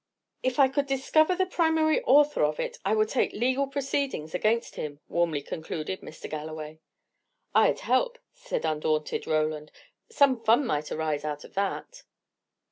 "If I could discover the primary author of it, I would take legal proceedings against him," warmly concluded Mr. Galloway. "I'd help," said undaunted Roland. "Some fun might arise out of that."